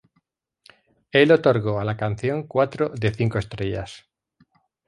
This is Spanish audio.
Él le otorgó a la canción cuatro de cinco estrellas.